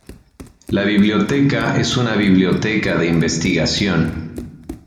La biblioteca es una biblioteca de investigación.